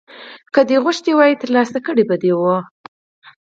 که دې غوښتي وای ترلاسه کړي به دې وو